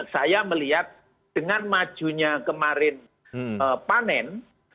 saya melihat dengan majunya kemarin panen